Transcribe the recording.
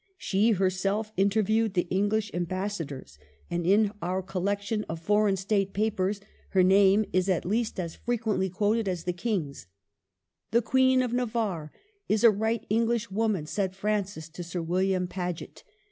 She herself interviewed the EngHsh Ambassadors, and in our collection of l6o MARGARET OF ANGOULEME. Foreign State papers her name is at least as frequently quoted as the King's. ''The Queen of Navarre is a right English woman," said Francis to Sir William Paget.